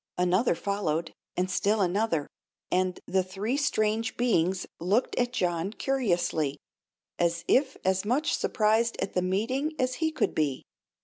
Another followed, and still another, and the three strange beings looked at John curiously, as if as much surprised at the meeting as he could be.